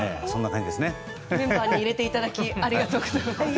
メンバーに入れていただきありがとうございます。